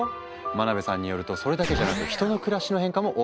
真辺さんによるとそれだけじゃなく人の暮らしの変化も大きいんだって。